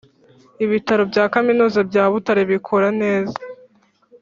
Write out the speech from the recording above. Ibitaro bya Kaminuza bya Butare bikora neza